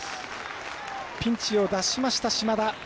ピンチを脱しました、島田。